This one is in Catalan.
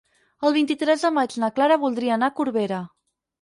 El vint-i-tres de maig na Clara voldria anar a Corbera.